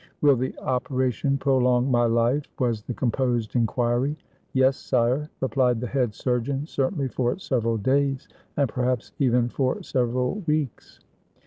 "Will the operation prolong my life?" was the com posed inquiry. "Yes, sire," replied the head surgeon; "certainly, for several days; and perhaps even for several weeks."